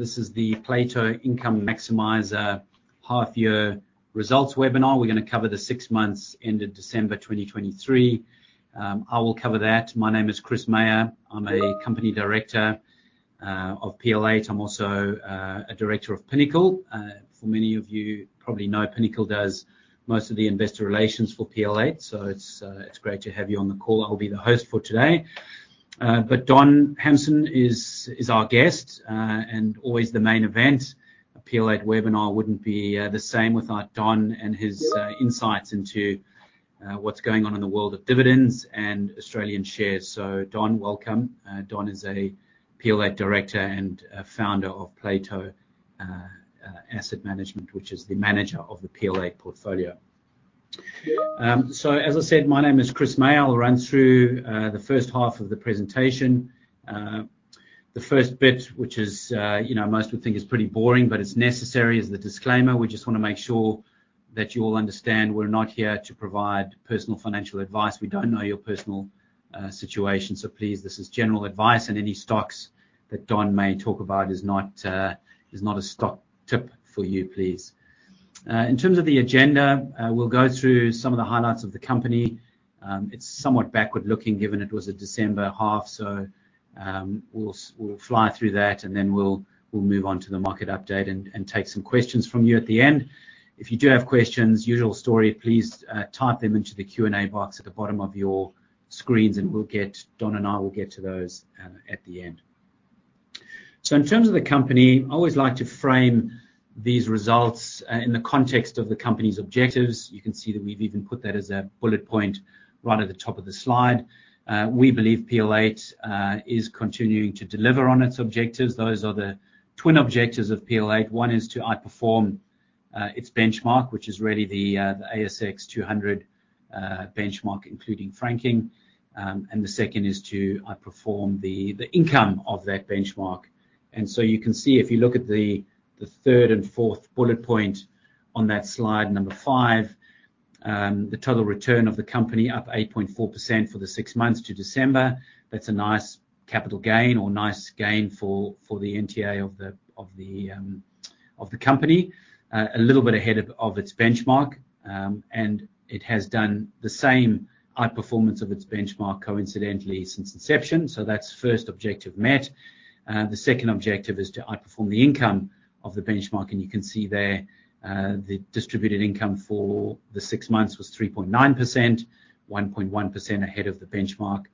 This is the Plato Income Maximiser half-year results webinar. We're gonna cover the six months ended December 2023. I will cover that. My name is Chris Meyer. I'm a company Director of PL8. I'm also a Director of Pinnacle. For many of you probably know, Pinnacle does most of the investor relations for PL8, so it's great to have you on the call. I'll be the host for today. But Don Hamson is our guest and always the main event. A PL8 webinar wouldn't be the same without Don and his insights into what's going on in the world of dividends and Australian shares. So Don, welcome. Don is a PL8 Director and founder of Plato Investment Management, which is the manager of the PL8 portfolio. So as I said, my name is Chris Meyer. I'll run through the first half of the presentation. The first bit, which is, you know, most would think is pretty boring, but it's necessary, is the disclaimer. We just wanna make sure that you all understand we're not here to provide personal financial advice. We don't know your personal situation, so please, this is general advice, and any stocks that Don may talk about is not a stock tip for you, please. In terms of the agenda, we'll go through some of the highlights of the company. It's somewhat backward-looking, given it was a December half, so, we'll fly through that, and then we'll move on to the market update and take some questions from you at the end. If you do have questions, usual story, please, type them into the Q&A box at the bottom of your screens, and we'll get... Don and I will get to those, at the end. So in terms of the company, I always like to frame these results, in the context of the company's objectives. You can see that we've even put that as a bullet point right at the top of the slide. We believe PL8 is continuing to deliver on its objectives. Those are the twin objectives of PL8. One is to outperform its benchmark, which is really the ASX 200 benchmark, including franking. And the second is to outperform the income of that benchmark. So you can see, if you look at the third and fourth bullet point on that slide number 5, the total return of the company up 8.4% for the six months to December. That's a nice capital gain or nice gain for the NTA of the company. A little bit ahead of its benchmark, and it has done the same outperformance of its benchmark coincidentally since inception. So that's first objective met. The second objective is to outperform the income of the benchmark, and you can see there, the distributed income for the six months was 3.9%, 1.1% ahead of the benchmark,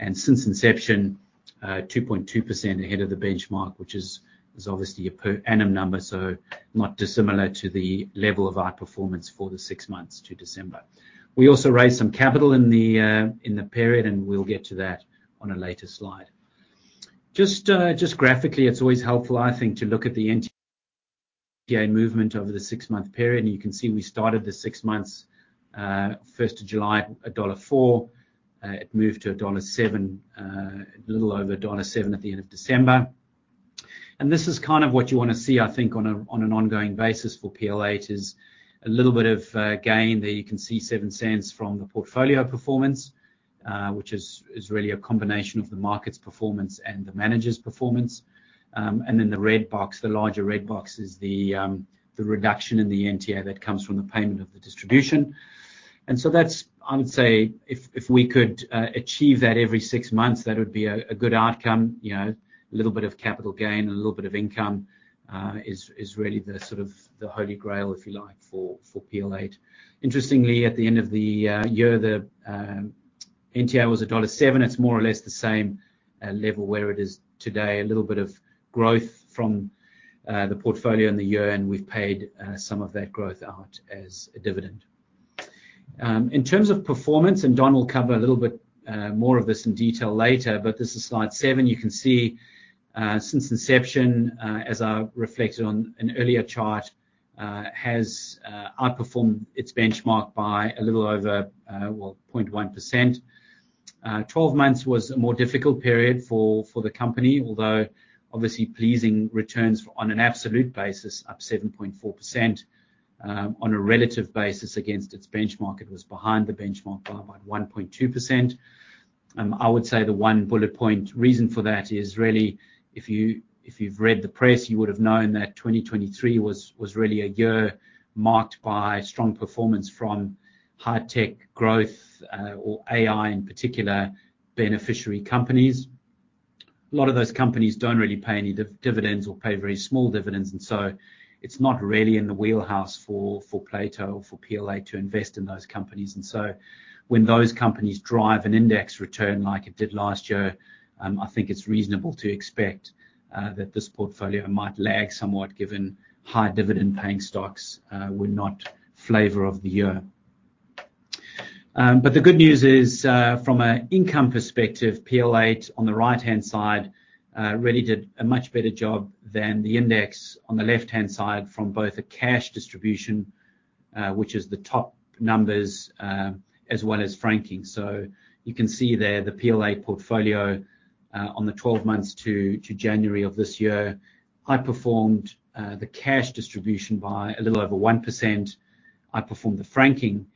and since inception, 2.2% ahead of the benchmark, which is obviously a per annum number, so not dissimilar to the level of outperformance for the six months to December. We also raised some capital in the period, and we'll get to that on a later slide. Just, just graphically, it's always helpful, I think, to look at the NTA movement over the six-month period, and you can see we started the six months, first of July, dollar 1.04. It moved to dollar 1.07, a little over dollar 1.07 at the end of December. This is kind of what you wanna see, I think, on an ongoing basis for PL8, is a little bit of gain. There you can see 0.07 from the portfolio performance, which is really a combination of the market's performance and the manager's performance. And then the red box, the larger red box, is the reduction in the NTA that comes from the payment of the distribution. And so that's. I would say if we could achieve that every 6 months, that would be a good outcome. You know, a little bit of capital gain and a little bit of income is really the sort of the holy grail, if you like, for PL8. Interestingly, at the end of the year, the NTA was dollar 1.07. It's more or less the same level where it is today. A little bit of growth from the portfolio in the year, and we've paid some of that growth out as a dividend. In terms of performance, and Don will cover a little bit more of this in detail later, but this is slide 7. You can see, since inception, as I reflected on an earlier chart, has outperformed its benchmark by a little over, well, 0.1%. 12 months was a more difficult period for the company, although obviously pleasing returns on an absolute basis, up 7.4%. On a relative basis against its benchmark, it was behind the benchmark by about 1.2%. I would say the one bullet point reason for that is really if you, if you've read the press, you would have known that 2023 was really a year marked by strong performance from high-tech growth, or AI in particular, beneficiary companies. A lot of those companies don't really pay any dividends or pay very small dividends, and so it's not really in the wheelhouse for Plato or for PL8 to invest in those companies. And so when those companies drive an index return like it did last year, I think it's reasonable to expect that this portfolio might lag somewhat, given high dividend-paying stocks were not flavor of the year. But the good news is, from an income perspective, PL8, on the right-hand side, really did a much better job than the index on the left-hand side from both a cash distribution, which is the top numbers, as well as franking. So you can see there, the PL8 portfolio, on the 12 months to January of this year, outperformed the cash distribution by a little over 1%-outperformed the franking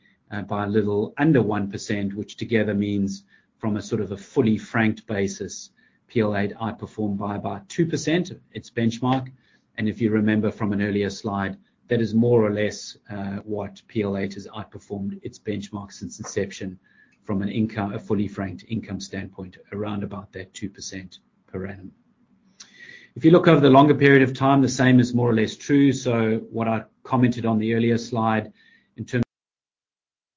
by a little under 1%, which together means from a sort of a fully franked basis, PL8 outperformed by about 2% its benchmark. And if you remember from an earlier slide, that is more or less, what PL8 has outperformed its benchmark since inception from an income-a fully franked income standpoint, around about that 2% per annum. If you look over the longer period of time, the same is more or less true. So what I commented on the earlier slide in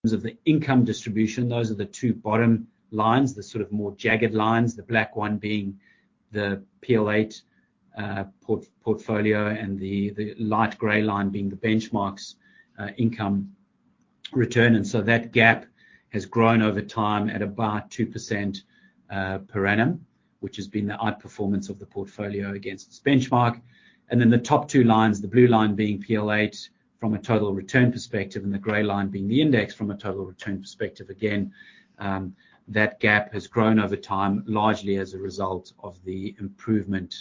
terms of the income distribution, those are the two bottom lines, the sort of more jagged lines, the black one being the PL8 portfolio, and the light gray line being the benchmarks income return. And so that gap has grown over time at about 2% per annum, which has been the outperformance of the portfolio against its benchmark. And then the top two lines, the blue line being PL8 from a total return perspective, and the gray line being the index from a total return perspective. Again, that gap has grown over time, largely as a result of the improvement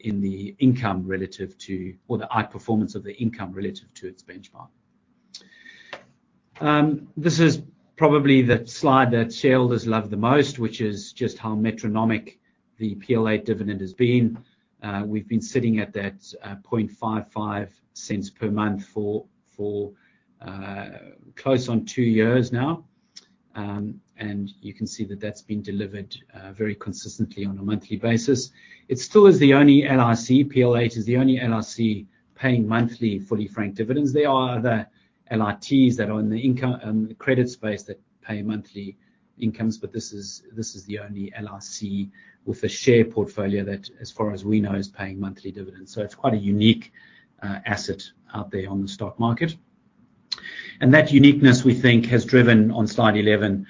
in the income relative to or the outperformance of the income relative to its benchmark. This is probably the slide that shareholders love the most, which is just how metronomic the PL8 dividend has been. We've been sitting at that 0.0055 per month for close on two years now. And you can see that that's been delivered very consistently on a monthly basis. It still is the only LIC, PL8 is the only LIC paying monthly fully franked dividends. There are other LITs that are on the income and credit space that pay monthly incomes, but this is, this is the only LIC with a share portfolio that, as far as we know, is paying monthly dividends. So it's quite a unique asset out there on the stock market. And that uniqueness, we think, has driven, on slide 11,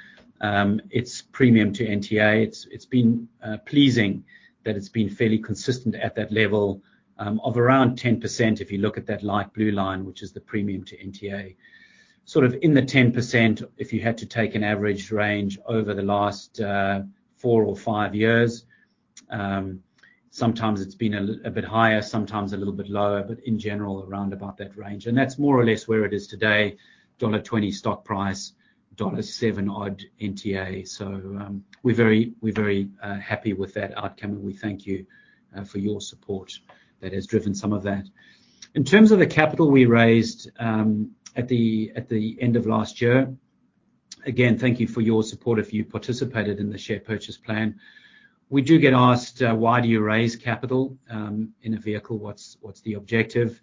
its premium to NTA. It's been pleasing that it's been fairly consistent at that level of around 10%, if you look at that light blue line, which is the premium to NTA. Sort of in the 10%, if you had to take an average range over the last four or five years. Sometimes it's been a bit higher, sometimes a little bit lower, but in general, around about that range. And that's more or less where it is today, dollar 1.20 stock price, dollar 1.07-odd NTA. So, we're very happy with that outcome, and we thank you for your support that has driven some of that. In terms of the capital we raised at the end of last year, again, thank you for your support if you participated in the share purchase plan. We do get asked, "Why do you raise capital in a vehicle? What's the objective?"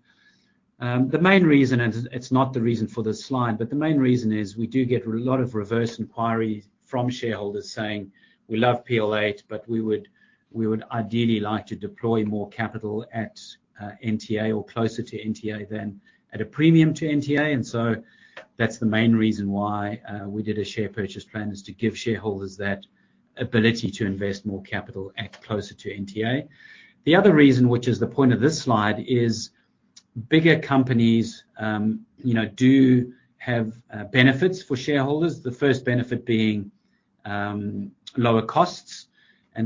The main reason, and it's not the reason for this slide, but the main reason is we do get a lot of reverse inquiries from shareholders saying, "We love PL8, but we would ideally like to deploy more capital at NTA or closer to NTA than at a premium to NTA." And so that's the main reason why we did a share purchase plan, is to give shareholders that ability to invest more capital at closer to NTA. The other reason, which is the point of this slide, is bigger companies, you know, do have benefits for shareholders. The first benefit being lower costs.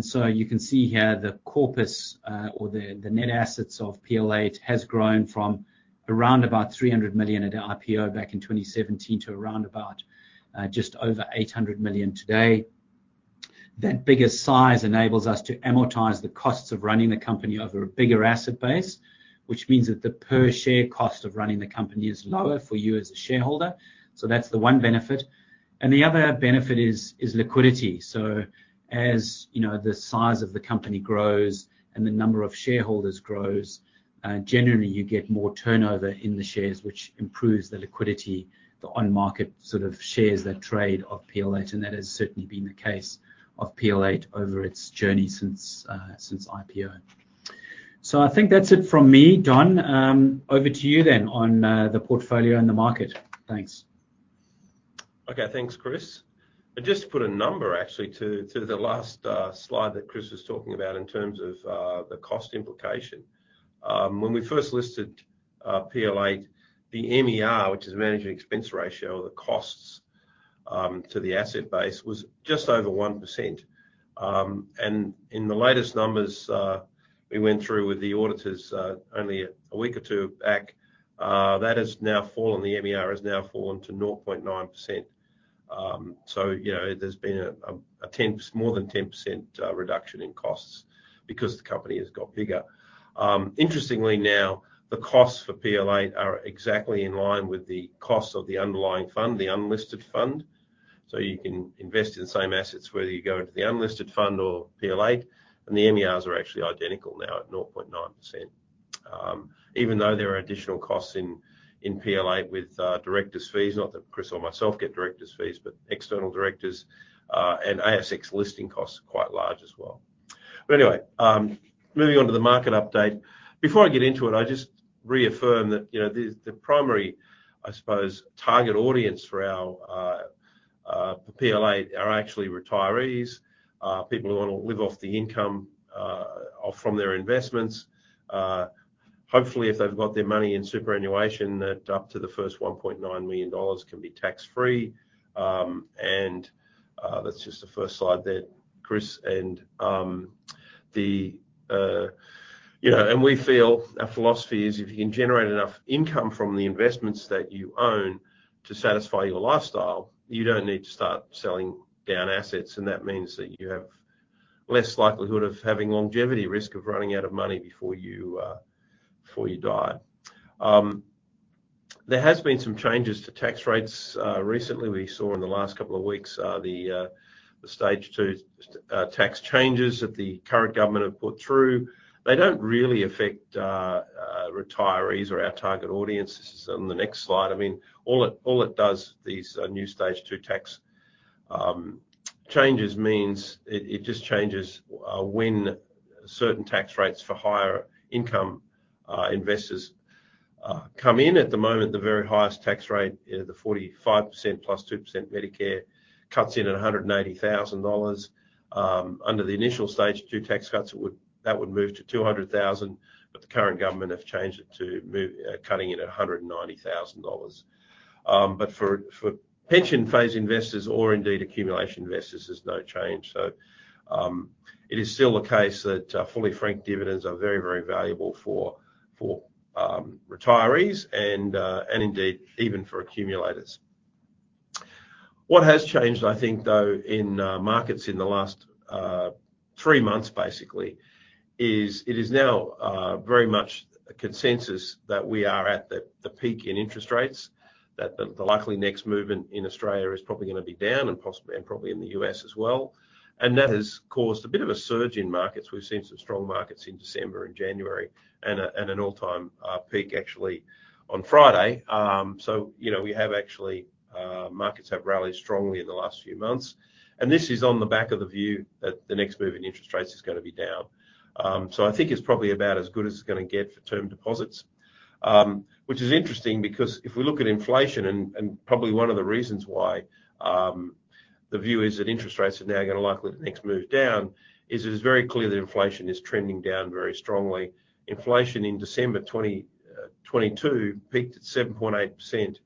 So you can see here the corpus, or the, the net assets of PL8 has grown from around about 300 million at IPO back in 2017 to around about, just over 800 million today. That bigger size enables us to amortize the costs of running the company over a bigger asset base, which means that the per share cost of running the company is lower for you as a shareholder. So that's the one benefit. And the other benefit is, is liquidity. So as you know, the size of the company grows and the number of shareholders grows, generally you get more turnover in the shares, which improves the liquidity, the on-market sort of shares, that trade of PL8, and that has certainly been the case of PL8 over its journey since, since IPO. So I think that's it from me. Don, over to you then on the portfolio and the market. Thanks. Okay. Thanks, Chris. Just to put a number actually to the last slide that Chris was talking about in terms of the cost implication. When we first listed PL8, the MER, which is management expense ratio, or the costs to the asset base, was just over 1%. In the latest numbers we went through with the auditors only a week or two back, that has now fallen, the MER has now fallen to 0.9%. So, you know, there's been a 10, more than 10% reduction in costs because the company has got bigger. Interestingly, now, the costs for PL8 are exactly in line with the costs of the underlying fund, the unlisted fund. So you can invest in the same assets, whether you go into the unlisted fund or PL8, and the MERs are actually identical now at 0.9%. Even though there are additional costs in PL8 with directors' fees, not that Chris or myself get directors' fees, but external directors, and ASX listing costs are quite large as well. But anyway, moving on to the market update. Before I get into it, I just reaffirm that, you know, the primary, I suppose, target audience for our PL8 are actually retirees, people who want to live off the income off from their investments. Hopefully, if they've got their money in superannuation, that up to the first 1.9 million dollars can be tax-free. That's just the first slide there, Chris. You know, we feel our philosophy is if you can generate enough income from the investments that you own to satisfy your lifestyle, you don't need to start selling down assets, and that means that you have less likelihood of having longevity risk of running out of money before you die. There has been some changes to tax rates recently. We saw in the last couple of weeks the stage two tax changes that the current government have put through. They don't really affect retirees or our target audience. This is on the next slide. I mean, all it does, these new stage two tax changes means it just changes when certain tax rates for higher income investors come in. At the moment, the very highest tax rate, the 45% + 2% Medicare, cuts in at 180,000 dollars. Under the initial stage two tax cuts, it would... that would move to 200,000, but the current government have changed it to cutting it at 190,000 dollars. But for pension phase investors or indeed accumulation investors, there's no change. So, it is still the case that, fully franked dividends are very, very valuable for retirees and indeed even for accumulators. What has changed, I think, though, in markets in the last three months, basically, is it is now very much a consensus that we are at the, the peak in interest rates, that the, the likely next movement in Australia is probably gonna be down and possibly, and probably in the U.S. as well, and that has caused a bit of a surge in markets. We've seen some strong markets in December and January, and a, and an all-time peak actually on Friday. So, you know, we have actually markets have rallied strongly in the last few months, and this is on the back of the view that the next move in interest rates is gonna be down. So I think it's probably about as good as it's gonna get for term deposits. Which is interesting because if we look at inflation and probably one of the reasons why the view is that interest rates are now gonna likely to next move down, is it is very clear that inflation is trending down very strongly. Inflation in December 2022 peaked at 7.8%.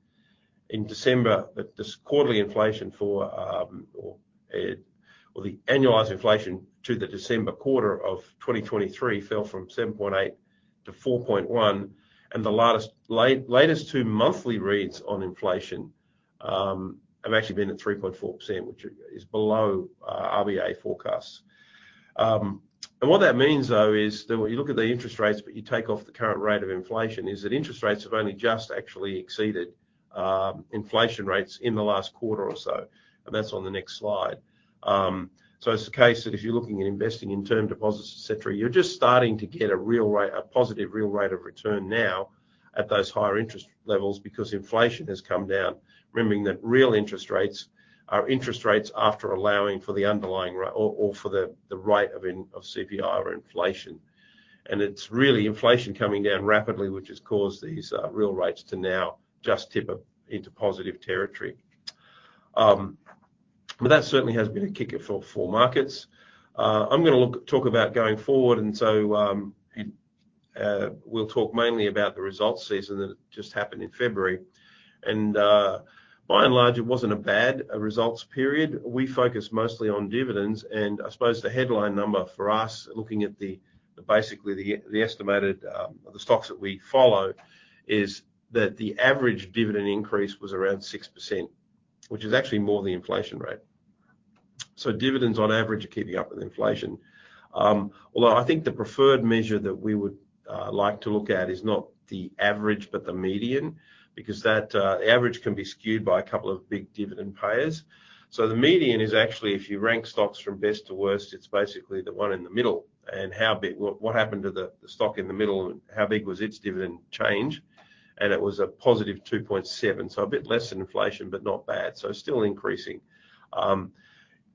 In December, but this quarterly inflation for or the annualized inflation to the December quarter of 2023 fell from 7.8% to 4.1%, and the latest two monthly reads on inflation have actually been at 3.4%, which is below RBA forecasts. And what that means, though, is that when you look at the interest rates, but you take off the current rate of inflation, is that interest rates have only just actually exceeded inflation rates in the last quarter or so, and that's on the next slide. So it's the case that if you're looking at investing in term deposits, et cetera, you're just starting to get a real rate, a positive real rate of return now at those higher interest levels because inflation has come down. Remembering that real interest rates are interest rates after allowing for the underlying rate of CPI or inflation. And it's really inflation coming down rapidly, which has caused these real rates to now just tip up into positive territory. But that certainly has been a kicker for markets. I'm gonna talk about going forward, and so we'll talk mainly about the results season that just happened in February. By and large, it wasn't a bad results period. We focus mostly on dividends, and I suppose the headline number for us, looking at basically the estimated stocks that we follow, is that the average dividend increase was around 6%, which is actually more than the inflation rate. So dividends on average are keeping up with inflation. Although I think the preferred measure that we would like to look at is not the average, but the median, because that average can be skewed by a couple of big dividend payers. So the median is actually, if you rank stocks from best to worst, it's basically the one in the middle, and how big... What happened to the stock in the middle, and how big was its dividend change? And it was a +2.7%, so a bit less than inflation, but not bad, so still increasing.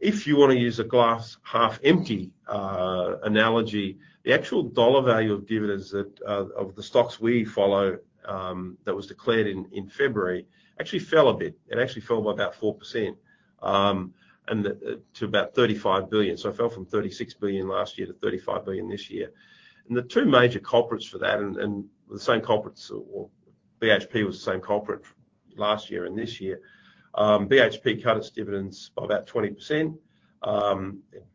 If you wanna use a glass half empty analogy, the actual dollar value of dividends that of the stocks we follow that was declared in February, actually fell a bit. It actually fell by about 4%, and to about 35 billion. So it fell from 36 billion last year to 35 billion this year. And the two major culprits for that, and the same culprits, BHP was the same culprit last year and this year, BHP cut its dividends by about 20%,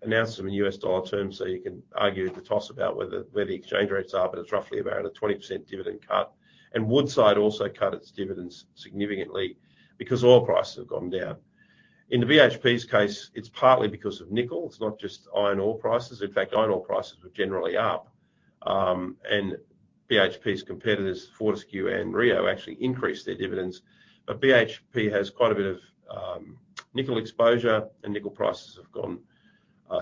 announced them in U.S. dollar terms, so you can argue the toss about whether where the exchange rates are, but it's roughly about a 20% dividend cut. And Woodside also cut its dividends significantly because oil prices have gone down. In the BHP's case, it's partly because of nickel. It's not just iron ore prices. In fact, iron ore prices were generally up, and BHP's competitors, Fortescue and Rio, actually increased their dividends. But BHP has quite a bit of, nickel exposure, and nickel prices have gone,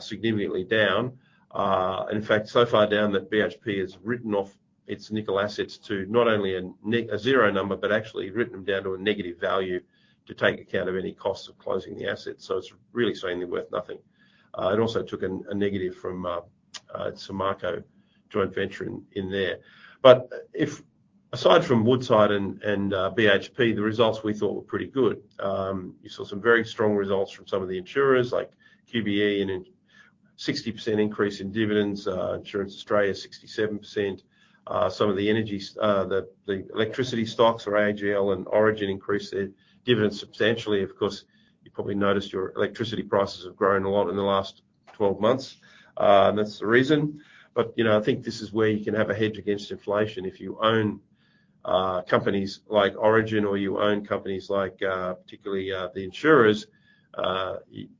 significantly down. In fact, so far down that BHP has written off its nickel assets to not only a zero number, but actually written them down to a negative value to take account of any costs of closing the assets, so it's really saying they're worth nothing. It also took a negative from Samarco joint venture in there. But aside from Woodside and BHP, the results we thought were pretty good. You saw some very strong results from some of the insurers, like QBE and Insurance Australia, 60% increase in dividends, Insurance Australia, 67%. Some of the energy, the electricity stocks are AGL, and Origin increased their dividends substantially. Of course, you probably noticed your electricity prices have grown a lot in the last 12 months, and that's the reason. But, you know, I think this is where you can have a hedge against inflation. If you own companies like Origin, or you own companies like, particularly, the insurers,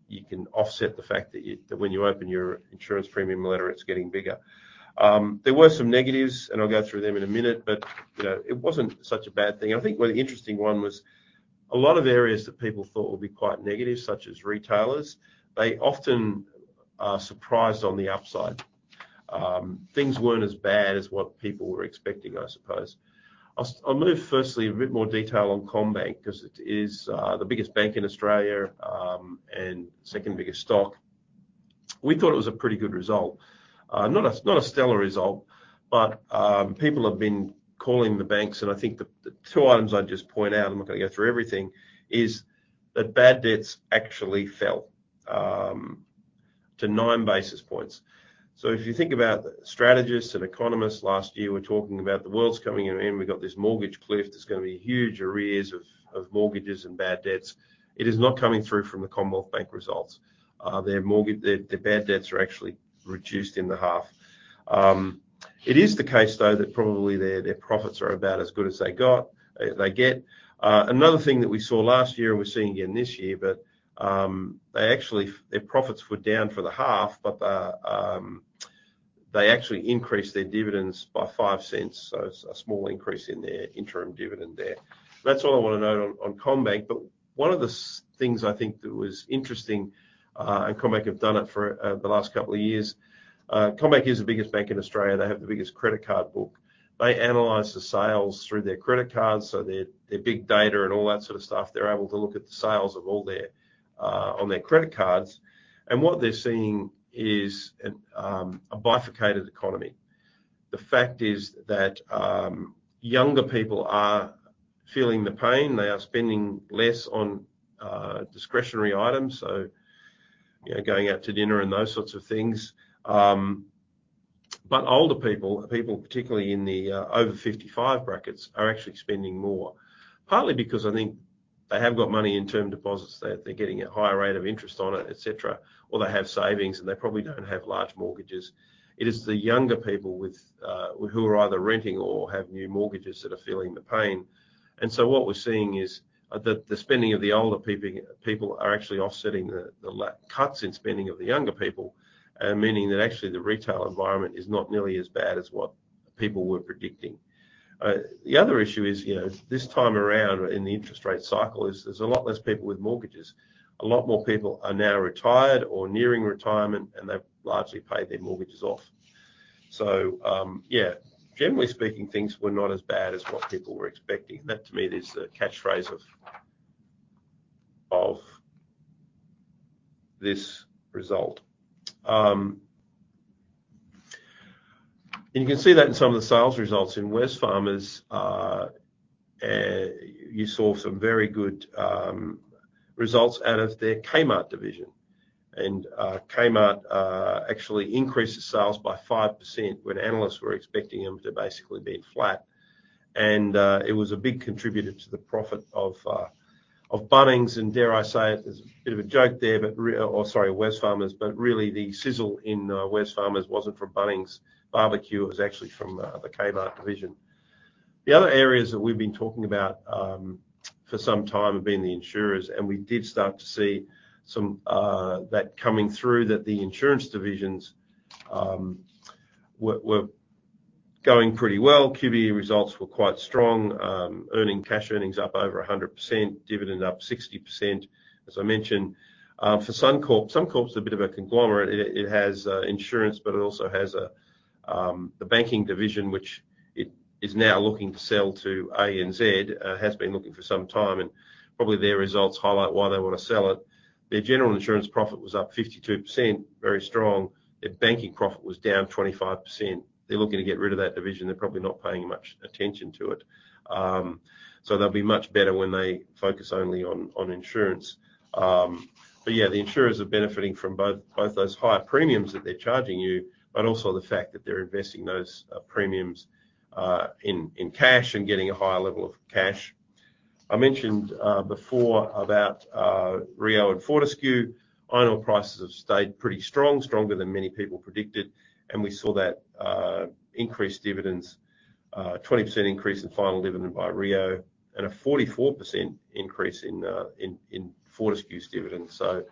you can offset the fact that when you open your insurance premium letter, it's getting bigger. There were some negatives, and I'll go through them in a minute, but, you know, it wasn't such a bad thing. I think one interesting one was a lot of areas that people thought would be quite negative, such as retailers, they often are surprised on the upside. Things weren't as bad as what people were expecting, I suppose. I'll move firstly a bit more detail on CommBank, 'cause it is the biggest bank in Australia, and second biggest stock. We thought it was a pretty good result. Not a stellar result, but people have been calling the banks, and I think the two items I'd just point out, I'm not gonna go through everything, is that bad debts actually fell to nine basis points. So if you think about strategists and economists last year were talking about the world's coming to an end, we've got this mortgage cliff. There's gonna be huge arrears of mortgages and bad debts. It is not coming through from the Commonwealth Bank results. Their mortgage... Their bad debts are actually reduced in the half. It is the case though that probably their profits are about as good as they got, they get. Another thing that we saw last year and we're seeing again this year, but they actually their profits were down for the half, but they actually increased their dividends by 0.05, so a small increase in their interim dividend there. That's all I want to note on CommBank, but one of the things I think that was interesting, and CommBank have done it for the last couple of years. CommBank is the biggest bank in Australia. They have the biggest credit card book. They analyze the sales through their credit cards, so their big data and all that sort of stuff, they're able to look at the sales of all their on their credit cards, and what they're seeing is a bifurcated economy. The fact is that younger people are feeling the pain. They are spending less on discretionary items, so, you know, going out to dinner and those sorts of things. But older people, people particularly in the over 55 brackets, are actually spending more, partly because I think they have got money in term deposits. They're getting a higher rate of interest on it, et cetera, or they have savings, and they probably don't have large mortgages. It is the younger people who are either renting or have new mortgages that are feeling the pain. And so what we're seeing is the spending of the older people are actually offsetting the cuts in spending of the younger people, meaning that actually the retail environment is not nearly as bad as what people were predicting. The other issue is, you know, this time around in the interest rate cycle is there's a lot less people with mortgages. A lot more people are now retired or nearing retirement, and they've largely paid their mortgages off. So, yeah, generally speaking, things were not as bad as what people were expecting. That, to me, is the catchphrase of this result. And you can see that in some of the sales results. In Wesfarmers, you saw some very good results out of their Kmart division. And, Kmart actually increased its sales by 5% when analysts were expecting them to basically be flat, and it was a big contributor to the profit of Bunnings. Dare I say it, there's a bit of a joke there, but re- or sorry, Wesfarmers, but really the sizzle in Wesfarmers wasn't from Bunnings barbecue; it was actually from the Kmart division. The other areas that we've been talking about for some time have been the insurers, and we did start to see some that coming through, that the insurance divisions were going pretty well. QBE results were quite strong, earning, cash earnings up over 100%, dividend up 60%, as I mentioned. For Suncorp, Suncorp's a bit of a conglomerate. It has insurance, but it also has the banking division, which it is now looking to sell to ANZ. Has been looking for some time, and probably their results highlight why they want to sell it. Their general insurance profit was up 52%, very strong. Their banking profit was down 25%. They're looking to get rid of that division. They're probably not paying much attention to it. So they'll be much better when they focus only on insurance. But yeah, the insurers are benefiting from both those higher premiums that they're charging you, but also the fact that they're investing those premiums in cash and getting a higher level of cash. I mentioned before about Rio and Fortescue. Iron ore prices have stayed pretty strong, stronger than many people predicted, and we saw that increased dividends, 20% increase in final dividend by Rio and a 44% increase in Fortescue's dividends. So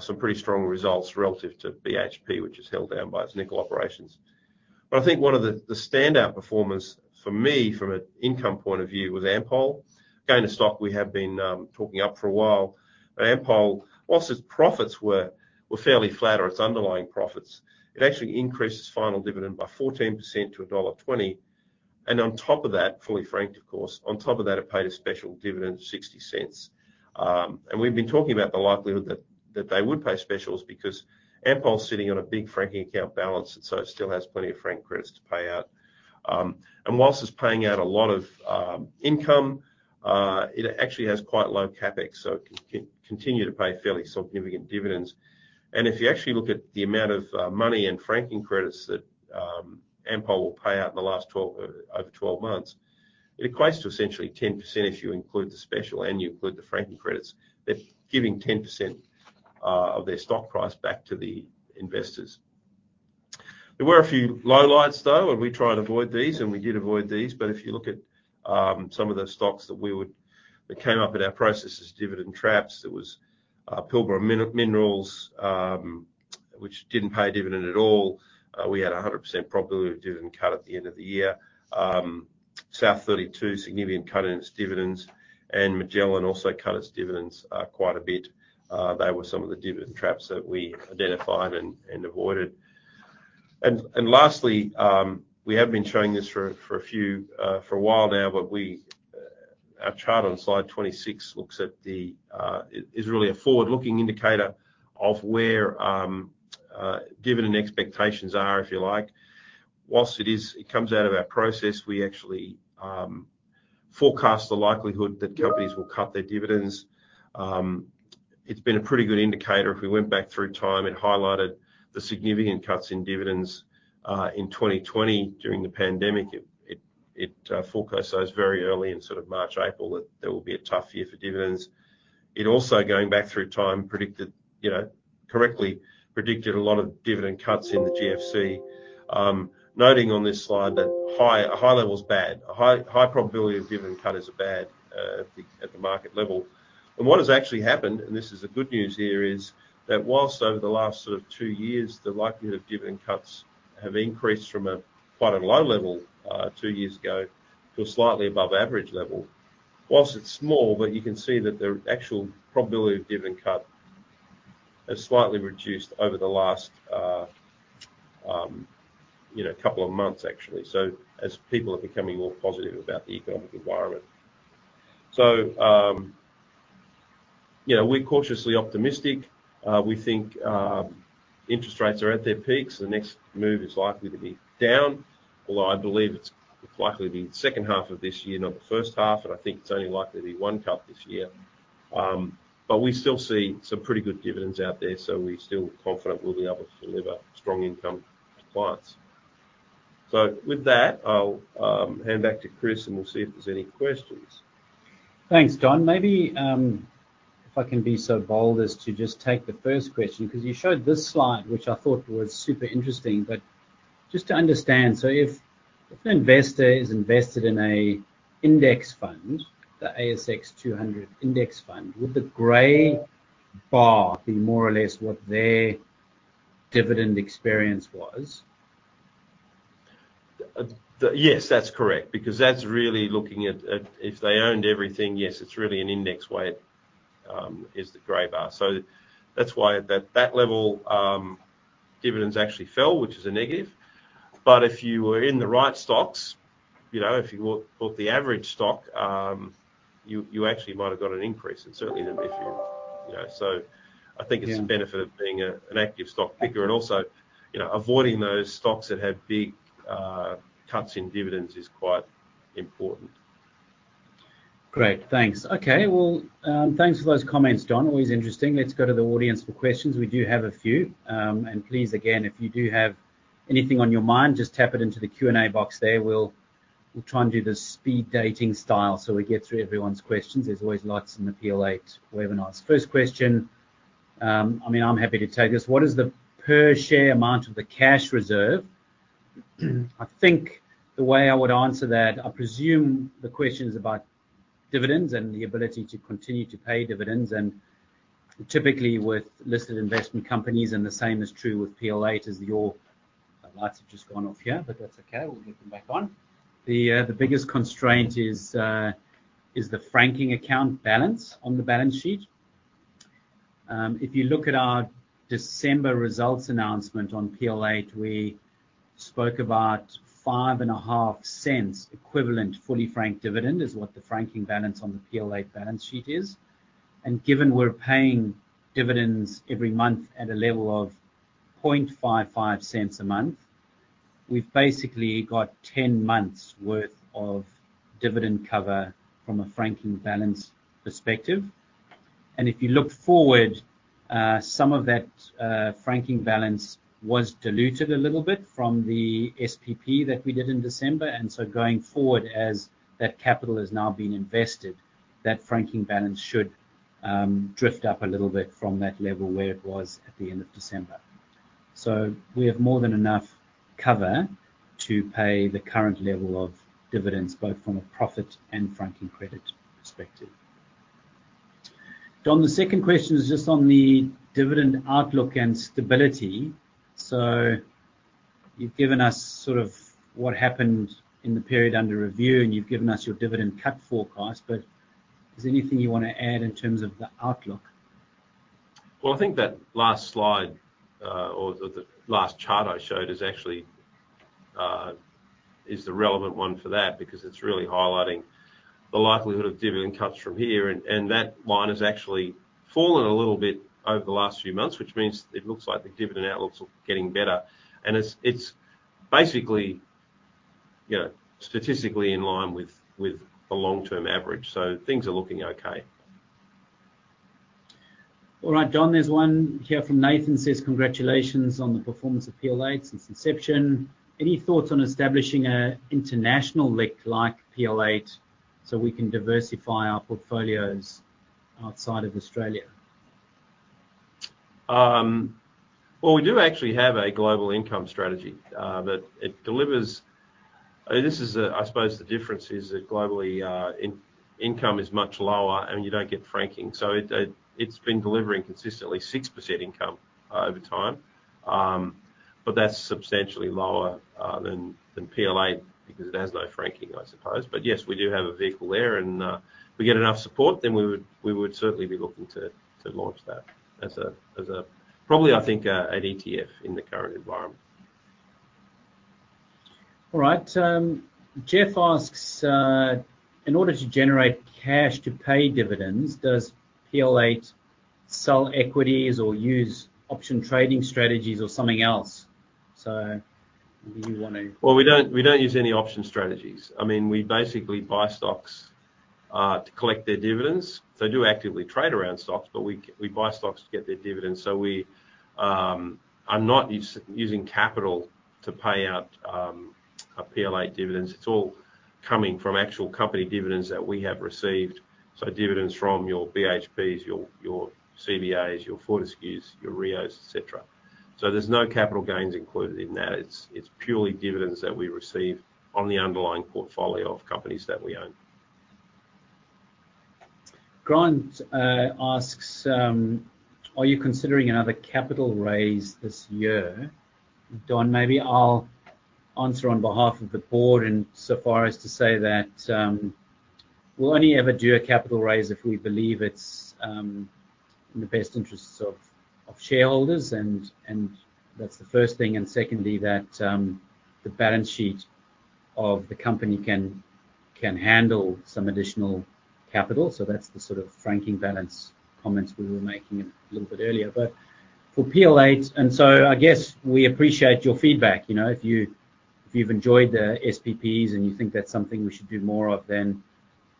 some pretty strong results relative to BHP, which is held down by its nickel operations. But I think one of the standout performers for me from an income point of view was Ampol. Again, a stock we have been talking up for a while, but Ampol, while its profits were fairly flat or its underlying profits, it actually increased its final dividend by 14% to dollar 1.20, and on top of that, fully franked, of course, on top of that, it paid a special dividend of 0.60. And we've been talking about the likelihood that they would pay specials because Ampol's sitting on a big franking account balance, and so it still has plenty of franking credits to pay out. And while it's paying out a lot of income, it actually has quite low CapEx, so it can continue to pay fairly significant dividends. And if you actually look at the amount of money and franking credits that Ampol will pay out in the last 12, over 12 months, it equates to essentially 10% if you include the special and you include the franking credits. They're giving 10% of their stock price back to the investors. There were a few low lights, though, and we try and avoid these, and we did avoid these. But if you look at some of the stocks that came up in our process as dividend traps, there was Pilbara Minerals, which didn't pay a dividend at all. We had a 100% probability of dividend cut at the end of the year. South32, significant cut in its dividends, and Magellan also cut its dividends quite a bit. They were some of the dividend traps that we identified and avoided. Lastly, we have been showing this for a while now, but our chart on slide 26 looks at the... It is really a forward-looking indicator of where dividend expectations are, if you like. Whilst it is, it comes out of our process, we actually forecast the likelihood that companies will cut their dividends. It's been a pretty good indicator. If we went back through time and highlighted the significant cuts in dividends in 2020 during the pandemic, it forecast those very early in sort of March, April, that there will be a tough year for dividends. It also, going back through time, predicted, you know, correctly predicted a lot of dividend cuts in the GFC. Noting on this slide that a high level is bad. A high probability of dividend cut is bad at the market level. And what has actually happened, and this is the good news here, is that while over the last sort of 2 years, the likelihood of dividend cuts have increased from quite a low level 2 years ago, to a slightly above average level. While it's small, but you can see that the actual probability of dividend cut has slightly reduced over the last you know couple of months, actually. So as people are becoming more positive about the economic environment. So, you know, we're cautiously optimistic. We think interest rates are at their peaks. The next move is likely to be down, although I believe it's likely to be the second half of this year, not the first half, and I think it's only likely to be one cut this year. But we still see some pretty good dividends out there, so we're still confident we'll be able to deliver strong income to clients. So with that, I'll hand back to Chris, and we'll see if there's any questions. Thanks, Don. Maybe, if I can be so bold as to just take the first question, 'cause you showed this slide, which I thought was super interesting. But just to understand, so if an investor is invested in an index fund, the ASX 200 index fund, would the gray bar be more or less what their dividend experience was? Yes, that's correct, because that's really looking at if they owned everything, yes, it's really an index weight, is the gray bar. So that's why at that level, dividends actually fell, which is a negative. But if you were in the right stocks, you know, if you look at the average stock, you actually might have got an increase, and certainly then if you know. So I think- Yeah... it's a benefit of being an active stock picker. And also, you know, avoiding those stocks that have big cuts in dividends is quite important. Great, thanks. Okay. Well, thanks for those comments, Don. Always interesting. Let's go to the audience for questions. We do have a few. And please again, if you do have anything on your mind, just tap it into the Q&A box there. We'll, we'll try and do the speed dating style, so we get through everyone's questions. There's always lights in the PL8 webinars. First question, I mean, I'm happy to take this: "What is the per share amount of the cash reserve?" I think the way I would answer that, I presume the question is about dividends and the ability to continue to pay dividends. And typically with listed investment companies, and the same is true with PL8, as your... The lights have just gone off here, but that's okay. We'll get them back on. The biggest constraint is the franking account balance on the balance sheet. If you look at our December results announcement on PL8, we spoke about 0.055 equivalent fully franked dividend, is what the franking balance on the PL8 balance sheet is. Given we're paying dividends every month at a level of 0.0055 a month, we've basically got 10 months' worth of dividend cover from a franking balance perspective. If you look forward, some of that franking balance was diluted a little bit from the SPP that we did in December, and so going forward, as that capital has now been invested, that franking balance should drift up a little bit from that level where it was at the end of December. So we have more than enough cover to pay the current level of dividends, both from a profit and franking credit perspective. Don, the second question is just on the dividend outlook and stability. So you've given us sort of what happened in the period under review, and you've given us your dividend cap forecast, but is there anything you want to add in terms of the outlook? Well, I think that last slide, or the, the last chart I showed is actually, is the relevant one for that, because it's really highlighting the likelihood of dividend cuts from here, and, and that line has actually fallen a little bit over the last few months, which means it looks like the dividend outlook's getting better. And it's, it's basically, you know, statistically in line with, with the long-term average, so things are looking okay. ... All right, Don, there's one here from Nathan, says: "Congratulations on the performance of PL8 since inception. Any thoughts on establishing an international LIC like PL8, so we can diversify our portfolios outside of Australia? Well, we do actually have a global income strategy, but it delivers, this is, I suppose the difference is that globally, income is much lower, and you don't get franking. So it, it's been delivering consistently 6% income over time. But that's substantially lower than PL8 because it has no franking, I suppose. But yes, we do have a vehicle there, and, if we get enough support, then we would certainly be looking to launch that as a, as a... Probably, I think, an ETF in the current environment. All right, Jeff asks: "In order to generate cash to pay dividends, does PL8 sell equities or use option trading strategies or something else?" So do you want to- Well, we don't, we don't use any option strategies. I mean, we basically buy stocks to collect their dividends. So I do actively trade around stocks, but we buy stocks to get their dividends. So we are not using capital to pay out our PL8 dividends. It's all coming from actual company dividends that we have received, so dividends from your BHPs, your CBAs, your Fortescues, your Rios, et cetera. So there's no capital gains included in that. It's, it's purely dividends that we receive on the underlying portfolio of companies that we own. Grant asks: "Are you considering another capital raise this year?" Don, maybe I'll answer on behalf of the Board, and so far as to say that, we'll only ever do a capital raise if we believe it's, in the best interests of, of shareholders, and, and that's the first thing. And secondly, that, the balance sheet of the company can, can handle some additional capital. So that's the sort of franking balance comments we were making a little bit earlier. But for PL8... And so I guess we appreciate your feedback. You know, if you, if you've enjoyed the SPPs, and you think that's something we should do more of,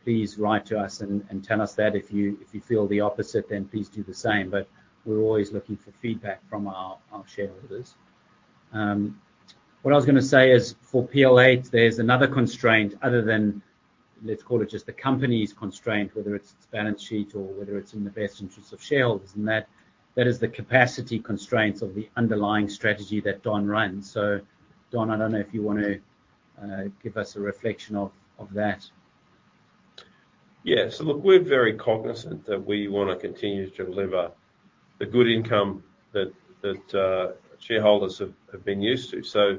then please write to us and, and tell us that. If you, if you feel the opposite, then please do the same, but we're always looking for feedback from our, our shareholders. What I was gonna say is, for PL8, there's another constraint other than, let's call it, just the company's constraint, whether it's its balance sheet or whether it's in the best interests of shareholders, and that is the capacity constraints of the underlying strategy that Don runs. So Don, I don't know if you want to give us a reflection of that. Yeah. So look, we're very cognizant that we want to continue to deliver the good income that shareholders have been used to. So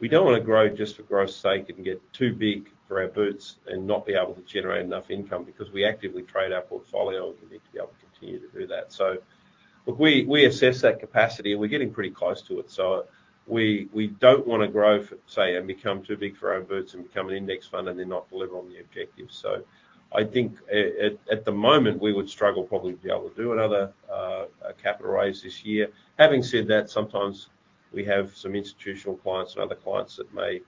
we don't want to grow just for growth's sake and get too big for our boots and not be able to generate enough income because we actively trade our portfolio, and we need to be able to continue to do that. So look, we assess that capacity, and we're getting pretty close to it. So we don't want to grow and become too big for our boots and become an index fund and then not deliver on the objectives. So I think at the moment, we would struggle probably to be able to do another capital raise this year. Having said that, sometimes we have some institutional clients and other clients that may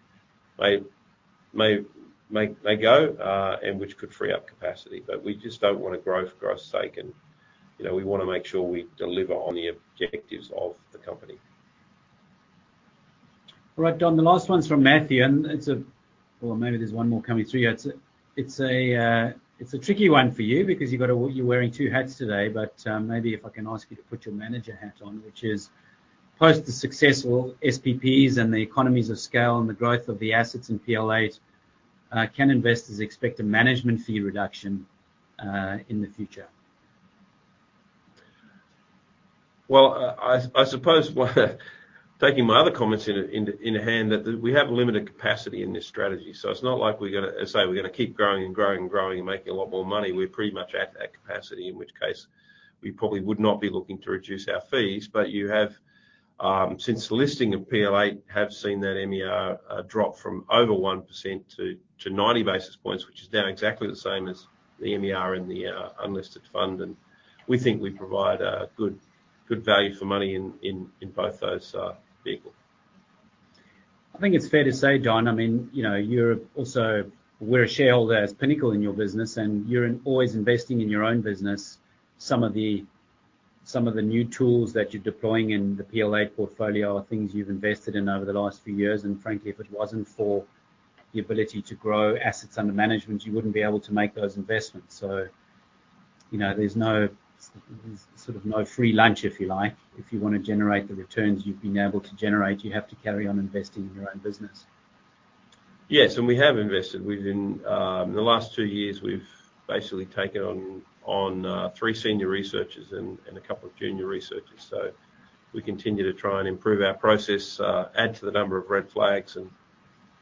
go, and which could free up capacity. But we just don't want to grow for growth's sake, and, you know, we want to make sure we deliver on the objectives of the company. All right, Don, the last one's from Matthew, and it's a... Well, maybe there's one more coming through yet. It's a tricky one for you because you've got to wear- you're wearing two hats today, but maybe if I can ask you to put your manager hat on, which is: Post the successful SPPs and the economies of scale and the growth of the assets in PL8, can investors expect a management fee reduction in the future? Well, I suppose, taking my other comments in hand, that we have limited capacity in this strategy, so it's not like we're gonna say we're gonna keep growing and growing and growing and making a lot more money. We're pretty much at that capacity, in which case, we probably would not be looking to reduce our fees. But you have, since the listing of PL8, have seen that MER drop from over 1% to 90 basis points, which is now exactly the same as the MER in the unlisted fund, and we think we provide a good value for money in both those vehicles. I think it's fair to say, Don, I mean, you know, you're also... We're a shareholder as Pinnacle in your business, and you're always investing in your own business. Some of the new tools that you're deploying in the PL8 portfolio are things you've invested in over the last few years, and frankly, if it wasn't for the ability to grow assets under management, you wouldn't be able to make those investments. So, you know, there's no, sort of, no free lunch if you like. If you want to generate the returns you've been able to generate, you have to carry on investing in your own business. Yes, and we have invested. We've been... In the last two years, we've basically taken on three senior researchers and a couple of junior researchers. So we continue to try and improve our process, add to the number of red flags, and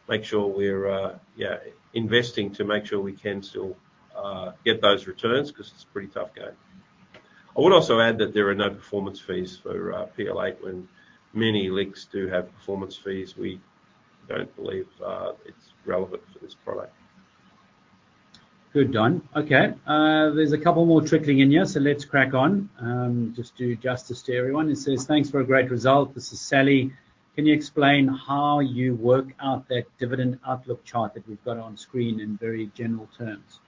make sure we're yeah, investing to make sure we can still get those returns because it's a pretty tough game. I would also add that there are no performance fees for PL8. When many LICs do have performance fees, we don't believe it's relevant for this product. Good, Don. Okay, there's a couple more trickling in here, so let's crack on. Just do justice to everyone. It says: "Thanks for a great result." This is Sally.... Can you explain how you work out that dividend outlook chart that we've got on screen in very general terms?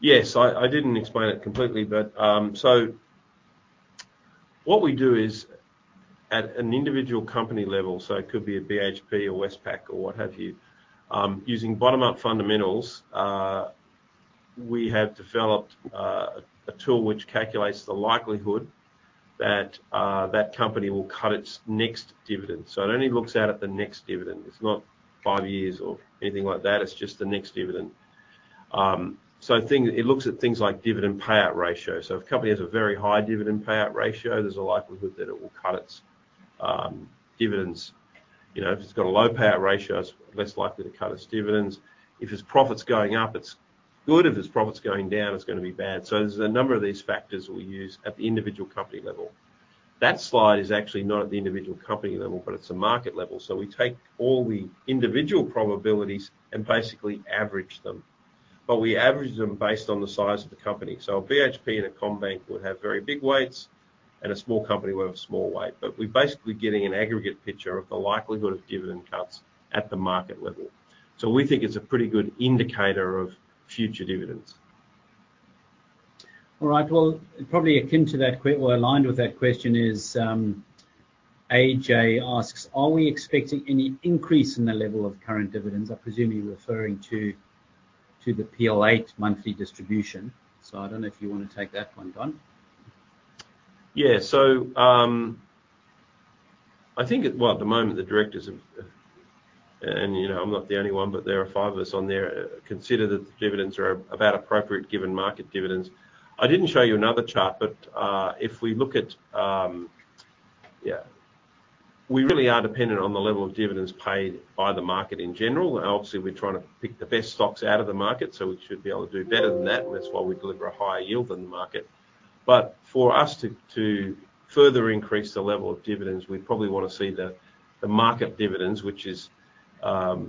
Yes, I didn't explain it completely, but so what we do is at an individual company level, so it could be a BHP or Westpac or what have you. Using bottom-up fundamentals, we have developed a tool which calculates the likelihood that that company will cut its next dividend. So it only looks out at the next dividend. It's not five years or anything like that, it's just the next dividend. It looks at things like dividend payout ratio. So if a company has a very high dividend payout ratio, there's a likelihood that it will cut its dividends. You know, if it's got a low payout ratio, it's less likely to cut its dividends. If its profits going up, it's good. If its profits going down, it's gonna be bad. So there's a number of these factors we use at the individual company level. That slide is actually not at the individual company level, but it's a market level. So we take all the individual probabilities and basically average them, but we average them based on the size of the company. So a BHP and a CommBank would have very big weights, and a small company would have a small weight, but we're basically getting an aggregate picture of the likelihood of dividend cuts at the market level. So we think it's a pretty good indicator of future dividends. All right. Well, probably akin to that or aligned with that question is, AJ asks: "Are we expecting any increase in the level of current dividends?" I presume you're referring to the PL8 monthly distribution. So I don't know if you want to take that one, Don. Yeah. So, I think at the moment, the directors have, and, you know, I'm not the only one, but there are five of us on there, consider that the dividends are about appropriate given market dividends. I didn't show you another chart, but, if we look at. Yeah, we really are dependent on the level of dividends paid by the market in general. Obviously, we're trying to pick the best stocks out of the market, so we should be able to do better than that, and that's why we deliver a higher yield than the market. But for us to further increase the level of dividends, we'd probably want to see the market dividends, which is, or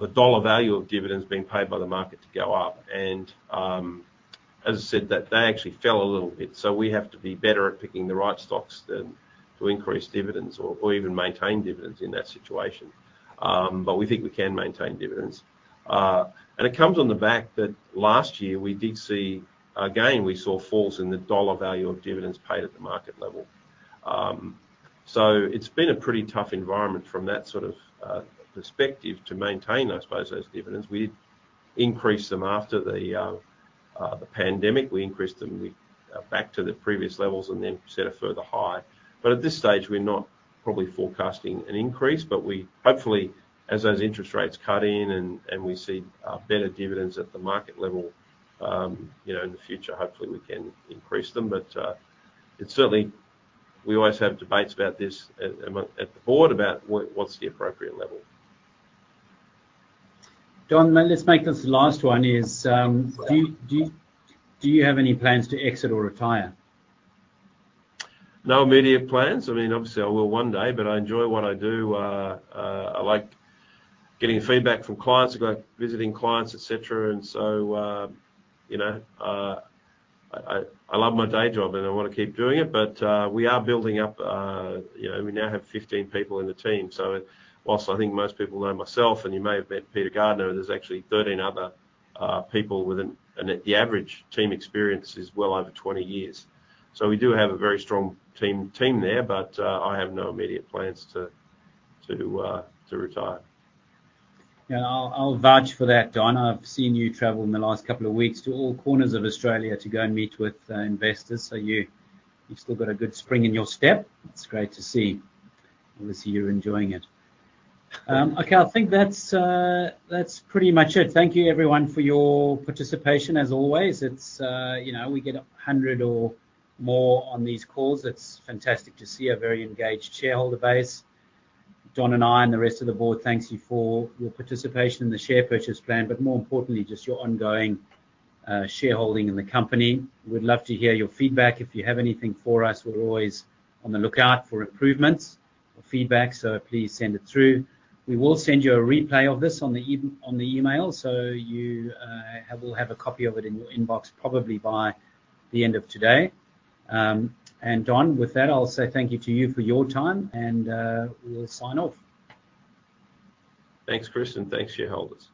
the dollar value of dividends being paid by the market to go up. As I said, they actually fell a little bit, so we have to be better at picking the right stocks than to increase dividends or even maintain dividends in that situation. But we think we can maintain dividends. It comes on the back that last year we did see, again, we saw falls in the dollar value of dividends paid at the market level. So it's been a pretty tough environment from that sort of perspective to maintain, I suppose, those dividends. We increased them after the pandemic. We increased them back to the previous levels and then set a further high. But at this stage, we're not probably forecasting an increase, but we hopefully, as those interest rates cut in and we see better dividends at the market level, you know, in the future, hopefully, we can increase them. But it's certainly... We always have debates about this among the board about what's the appropriate level. Don, let's make this the last one. Right. Do you have any plans to exit or retire? No immediate plans. I mean, obviously I will one day, but I enjoy what I do. I like getting feedback from clients. I like visiting clients, et cetera, and so, you know, I, I, I love my day job, and I wanna keep doing it, but, we are building up, you know, we now have 15 people in the team. So whilst I think most people know myself, and you may have met Peter Gardner, there's actually 13 other, people with an... And the average team experience is well over 20 years. So we do have a very strong team, team there, but, I have no immediate plans to, to, to retire. Yeah, I'll vouch for that, Don. I've seen you travel in the last couple of weeks to all corners of Australia to go and meet with investors, so you've still got a good spring in your step. It's great to see. Obviously, you're enjoying it. Okay, I think that's pretty much it. Thank you, everyone, for your participation as always. It's you know, we get 100 or more on these calls. It's fantastic to see a very engaged shareholder base. Don and I and the rest of the Board thanks you for your participation in the share purchase plan, but more importantly, just your ongoing shareholding in the company. We'd love to hear your feedback. If you have anything for us, we're always on the lookout for improvements or feedback, so please send it through. We will send you a replay of this on the email, so you will have a copy of it in your inbox, probably by the end of today. And Don, with that, I'll say thank you to you for your time, and we'll sign off. Thanks, Chris, and thanks, shareholders.